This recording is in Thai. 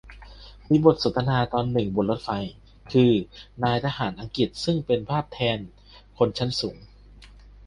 มีบทสนทนาตอนหนึ่งบนรถไฟ คือนายทหารอังกฤษ ซึ่งเป็นภาพแทนคนชั้นสูง